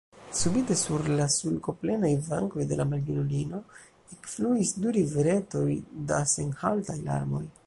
Subite sur la sulkoplenaj vangoj de la maljunulino ekfluis du riveretoj da senhaltaj larmoj.